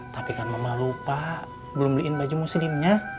tapi karena mama lupa belum beliin baju muslimnya